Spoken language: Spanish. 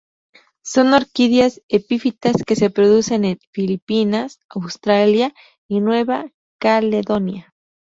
Son orquídeas epífitas que se producen en Filipinas, Australia y Nueva Caledonia.